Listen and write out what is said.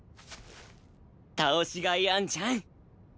倒しがいあんじゃん！